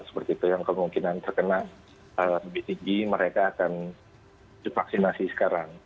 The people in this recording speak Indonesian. seperti itu yang kemungkinan terkena lebih tinggi mereka akan divaksinasi sekarang